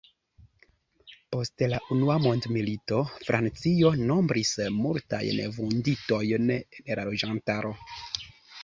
Post la unua mondmilito, Francio nombris multajn vunditojn en la loĝantaro.